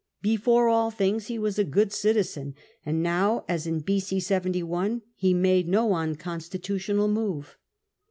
Before all things he v as a good citizen, and now, as in B.o. 71, he made no unconstitutional move.